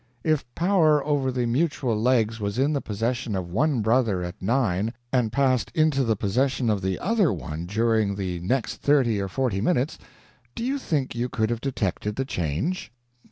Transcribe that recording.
"If power over the mutual legs was in the possession of one brother at nine, and passed into the possession of the other one during the next thirty or forty minutes, do you think you could have detected the change?"